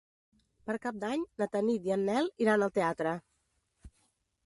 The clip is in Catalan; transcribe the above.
Per Cap d'Any na Tanit i en Nel iran al teatre.